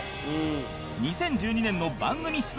２０１２年の番組出演